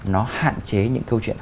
nó hạn chế những câu chuyện